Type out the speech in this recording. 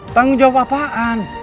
tanggung jawab apaan